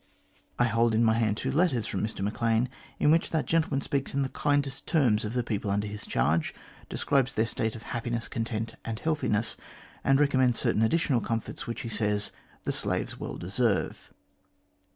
I hold in my hand two letters from Mr Maclean, in which that gentleman speaks in the kindest terms of the people under his charge ; describes their state of happiness, content, and healthiness; and recommends certain additional comforts, which, he says, the slaves well deserve."